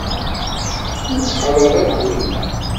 Ur ttxalaḍ ara winna.